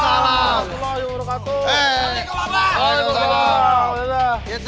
assalamualaikum warahmatullahi wabarakatuh